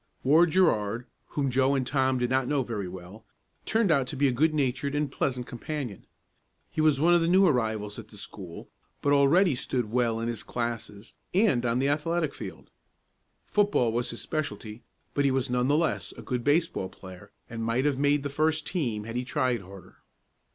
Ward Gerard, whom Joe and Tom did not know very well, turned out to be a good natured and pleasant companion. He was one of the new arrivals at the school, but already stood well in his classes and on the athletic field. Football was his specialty, but he was none the less a good baseball player and might have made the first team had he tried harder.